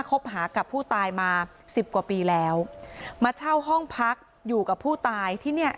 คบหากับผู้ตายมาสิบกว่าปีแล้วมาเช่าห้องพักอยู่กับผู้ตายที่เนี้ย